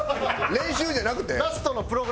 練習じゃなくて？